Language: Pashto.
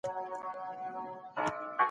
بشري پرګنې په مختلفو قومونو ویشل سوي دي.